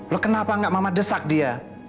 loh kenapa gak mama desak dia